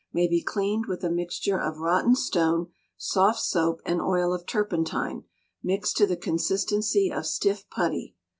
may be cleaned with a mixture of rotten stone, soft soap, and oil of turpentine, mixed to the consistency of stiff putty.